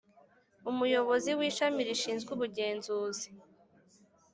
Umuyobozi w ishami rishinzwe ubugenzuzi